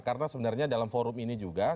karena sebenarnya dalam forum ini juga